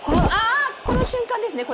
この瞬間ですね。